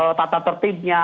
kalau tata tertibnya